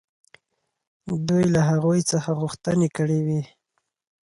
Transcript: دوی له هغوی څخه غوښتنې کړې وې.